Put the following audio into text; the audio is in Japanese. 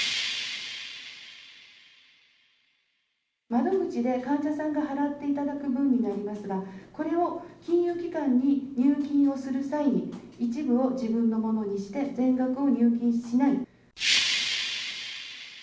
窓口で患者さんが払っていただく分になりますが、これを金融機関に入金をする際に一部を自分のものにして、全額を入金しない。